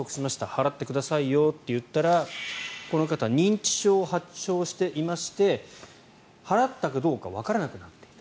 払ってくださいよと言いましたらこの方認知症を発症していまして払ったかどうかわからなくなっていた。